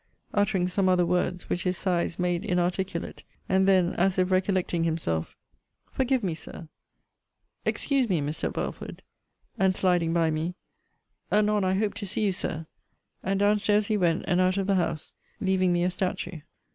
uttering some other words, which his sighs made inarticulate. And then, as if recollecting himself Forgive me, Sir! Excuse me, Mr. Belford! And sliding by me, Anon I hope to see you, Sir And down stairs he went, and out of the house, leaving me a statue.